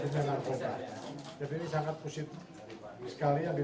sejak ini di